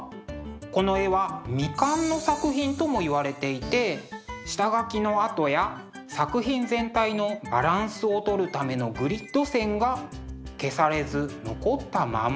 この絵は未完の作品ともいわれていて下書きの跡や作品全体のバランスを取るためのグリッド線が消されず残ったまま。